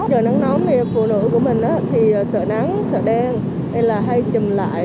trời nắng nóng thì phụ nữ của mình thì sợ nắng sợ đen hay là hay chầm lại